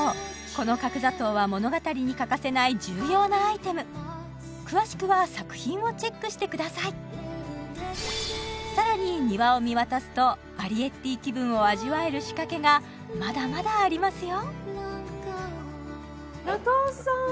この角砂糖は物語に欠かせない重要なアイテム詳しくは作品をチェックしてくださいさらに庭を見渡すとアリエッティ気分を味わえる仕掛けがまだまだありますよ